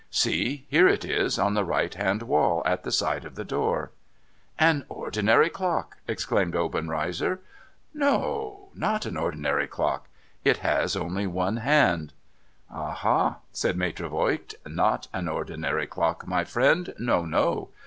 See ! here it is, on the right hand wall at the side of the door.' ' An ordinary clock,' exclaimed Obenreizer. ' No ! Not an ordinary clock. It has only one hand.' 2 o 562 NO THOROUGHFARE ' Aha !' said Maitre Voigt. ' Not an ordinary clock, my friend No, no.